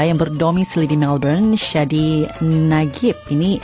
yang berdomisili di melbourne shadi nagib